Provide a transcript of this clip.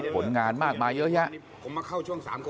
ผลงานมากมาเยอะแยะ